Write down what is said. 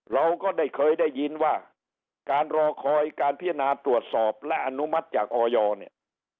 เราก็ได้เคยได้ยินว่าการรอคอยการพิจารณาตรวจสอบและอนุมัติจากออยเนี่ย